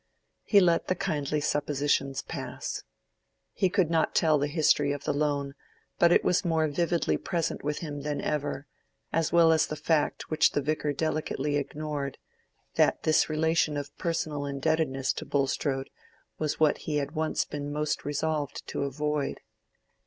He let the kindly suppositions pass. He could not tell the history of the loan, but it was more vividly present with him than ever, as well as the fact which the Vicar delicately ignored—that this relation of personal indebtedness to Bulstrode was what he had once been most resolved to avoid.